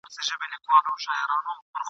خبرونه چټک معلومات وړاندې کوي.